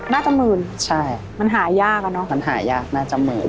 น่าจะหมื่นมันหายากอะเนอะใช่มันหายากน่าจะหมื่น